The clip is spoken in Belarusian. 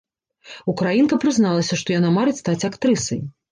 Украінка прызналася, што яна марыць стаць актрысай.